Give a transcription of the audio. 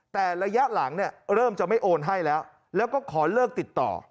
แต่ระยะหลังเนี่ยเริ่มจะไม่โอนให้แล้วแล้วก็ขอเลิกติดต่อ